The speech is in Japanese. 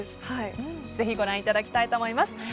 ぜひご覧いただきたいと思います。